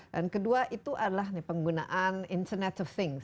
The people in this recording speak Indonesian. dan kedua itu adalah penggunaan internet of things